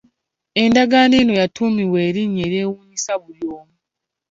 Endagaano eno yatuumibwa erinnya eryewuunyisa buli omu.